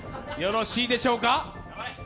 よろしいでしょうか？